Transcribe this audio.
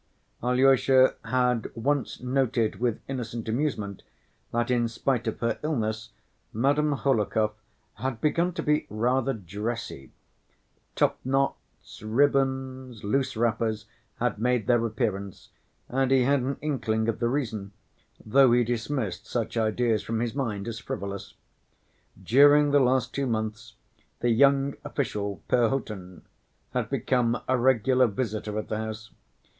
Alyosha had once noted with innocent amusement that, in spite of her illness, Madame Hohlakov had begun to be rather dressy—top‐knots, ribbons, loose wrappers, had made their appearance, and he had an inkling of the reason, though he dismissed such ideas from his mind as frivolous. During the last two months the young official, Perhotin, had become a regular visitor at the house.